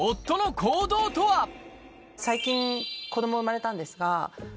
最近子供が生まれたんですが。